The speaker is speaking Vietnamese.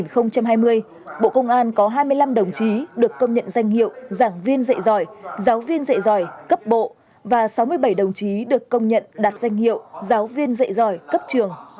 năm hai nghìn hai mươi bộ công an có hai mươi năm đồng chí được công nhận danh hiệu giảng viên dạy giỏi giáo viên dạy giỏi cấp bộ và sáu mươi bảy đồng chí được công nhận đạt danh hiệu giáo viên dạy giỏi cấp trường